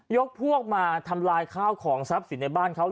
พวกมาทำลายข้าวของทรัพย์สินในบ้านเขา